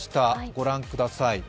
ご覧ください。